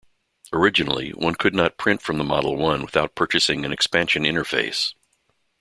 Originally, one could not print from the Model I without purchasing an Expansion Interface.